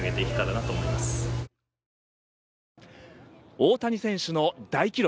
大谷選手の大記録。